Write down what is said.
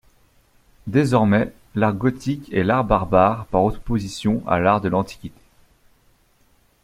Désormais, l’art gothique est l’art barbare par opposition à l’art de l’Antiquité.